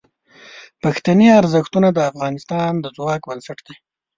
پښتني ارزښتونه د افغانستان د ځواک بنسټ دي.